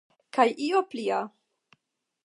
Kaj io plia.